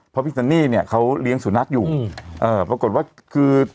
เพราะพี่ซันนี่เนี่ยเขาเลี้ยงสุนัขอยู่เอ่อปรากฏว่าคือ